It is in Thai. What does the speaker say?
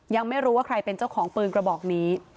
ยังไม่รู้ว่าใครเป็นเจ้าของปืนกระบอกนี้